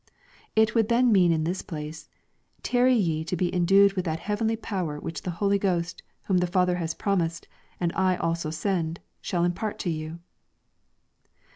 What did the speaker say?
It would then mean in this place, " Tarry till ye be endued with that heavenly power which the Holy Ghost, whom the Father has promised, and I also send, shall impart to you."